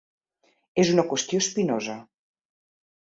És una qüestió espinosa.